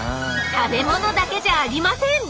食べ物だけじゃありません！